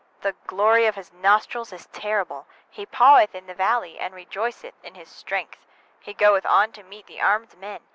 the glory of his nostrils is terrible. 21Â He paweth in the valley, and rejoiceth in his strength: he goeth on to meet the armed men.